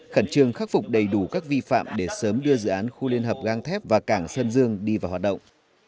khẩn trương khắc phục đầy đủ các vi phạm để sớm đưa dự án khu liên hợp gang thép và cảng sơn dương đi vào hoạt động